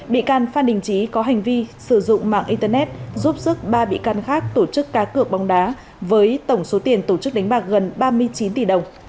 bị can phan đình trí có hành vi sử dụng mạng internet giúp sức ba bị can khác tổ chức cá cược bóng đá với tổng số tiền tổ chức đánh bạc gần ba mươi chín tỷ đồng